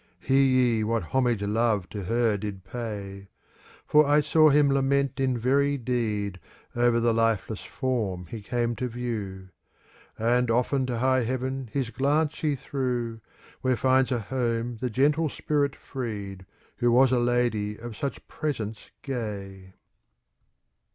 Hear ye what homage Love to her did pay: For I saw him lament in very deed, *° Over the lifeless form he came to view: And often to high heaven his glance he threw. Where finds a home the gentle spirit freed. Who was a lady of such presence gay.